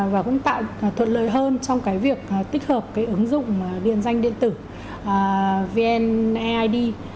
và cũng tạo thuận lợi hơn trong cái việc tích hợp cái ứng dụng điện danh điện tử vneid